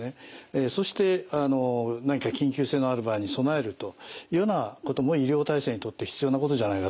そして何か緊急性のある場合に備えるというようなことも医療体制にとって必要なことじゃないかと思います。